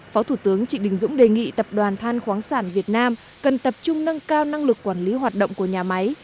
phó thủ tướng trịnh đình dũng đề nghị tập đoàn than khoáng sản việt nam cần tập trung nâng cao năng lực quản lý hoạt động của nhà máy